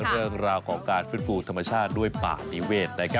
เรื่องราวของการฟื้นฟูธรรมชาติด้วยป่านิเวศ